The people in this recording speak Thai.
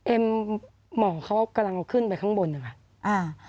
เอ็มหมอเขากำลังขึ้นไปข้างบนค่ะ